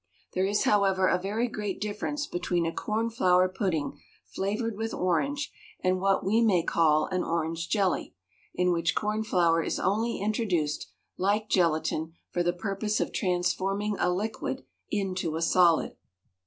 There is, however, a very great difference between a corn flour pudding flavoured with orange, and what we may call an orange jelly, in which corn flour is only introduced, like gelatine, for the purpose of transforming a liquid into a solid.